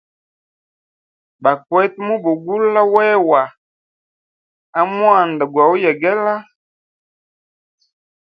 Bakwete mubugula wewa amwanda gwauyegela.